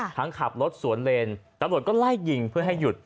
ขับรถสวนเลนตำรวจก็ไล่ยิงเพื่อให้หยุด